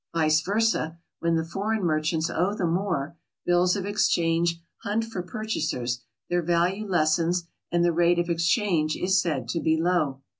Vice versa, when the foreign merchants owe the more, bills of exchange hunt for purchasers, their value lessens, and the rate of exchange is said to be low.